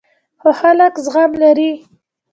خو خلک زغم لري.